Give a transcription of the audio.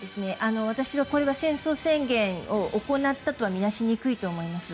私はこれは戦争宣言を行ったとは見なしにくいと思います。